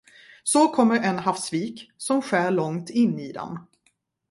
Så kommer en havsvik, som skär långt in i den.